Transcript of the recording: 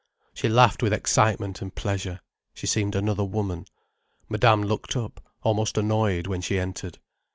She laughed with excitement and pleasure. She seemed another woman. Madame looked up, almost annoyed, when she entered.